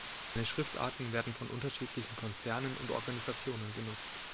Seine Schriftarten werden von unterschiedlichen Konzernen und Organisationen genutzt.